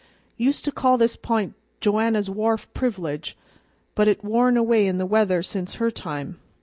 "Used to call this p'int Joanna's wharf privilege, but 't has worn away in the weather since her time.